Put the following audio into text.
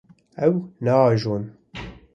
Ew naajon.